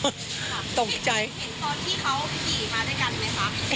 เห็นตอนที่เขาพี่กี่มาด้วยกันไหมคะ